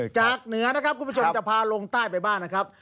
เหนือนะครับคุณผู้ชมจะพาลงใต้ไปบ้างนะครับ